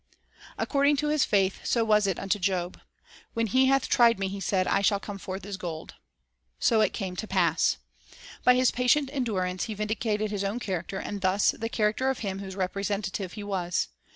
l According to his faith, so was it unto Job. "When He hath tried me," he said, "I shall come forth as gold." 2 So it came to pass. By his patient endurance he vindicated his own character, and thus the character of Him whose representative he was.